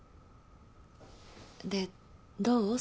でどう？